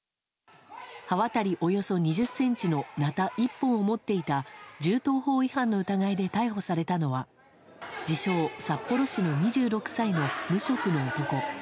刃渡りおよそ２０ｃｍのなた１本を持っていた銃刀法違反の疑いで逮捕されたのは自称・札幌市の２６歳の無職の男。